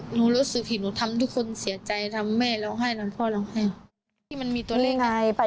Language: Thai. หนูรู้สึกผิดหนูทำทุกคนเสียใจทำแม่เราให้ทำพ่อเราให้